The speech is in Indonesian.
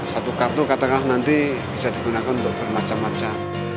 satu kartu katakanlah nanti bisa digunakan untuk bermacam macam